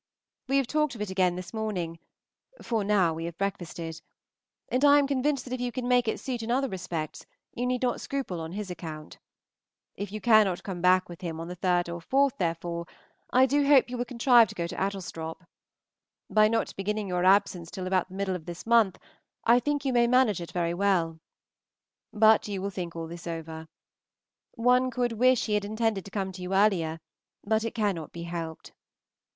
We have talked of it again this morning (for now we have breakfasted), and I am convinced that if you can make it suit in other respects you need not scruple on his account. If you cannot come back with him on the 3rd or 4th, therefore, I do hope you will contrive to go to Adlestrop. By not beginning your absence till about the middle of this month I think you may manage it very well. But you will think all this over. One could wish he had intended to come to you earlier, but it cannot be helped.